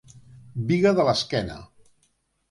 Biga de l'esquena.